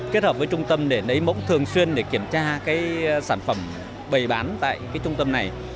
kết hợp với trung tâm để lấy mẫu thường xuyên để kiểm tra sản phẩm bày bán tại trung tâm này